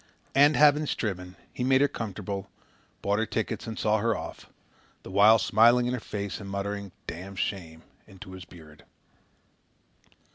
And, having striven, he made her comfortable, bought her tickets and saw her off, the while smiling in her face and muttering "dam shame" into his beard.